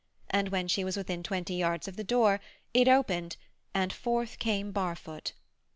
And when she was within twenty yards of the door, it opened, and forth came Barfoot.